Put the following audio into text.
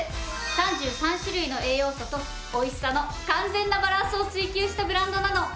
３３種類の栄養素とおいしさの完全なバランスを追求したブランドなの。